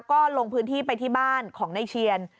ก็ลงพื้นที่ไปที่บ้านของนายเชียน